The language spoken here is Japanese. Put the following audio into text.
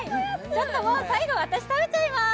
ちょっと最後は私、食べちゃいます。